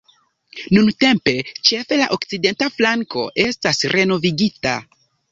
Nuntempe ĉefe la okcidenta flanko estas renovigita.